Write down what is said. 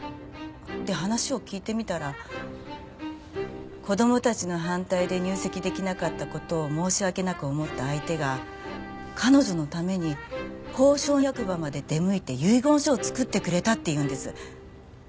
で話を聞いてみたら子供たちの反対で入籍出来なかった事を申し訳なく思った相手が彼女のために公証役場まで出向いて遺言書を作ってくれたっていうんです。